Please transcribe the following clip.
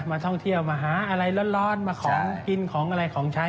มาท่องเที่ยวมาหาอะไรร้อนมาของกินของอะไรของใช้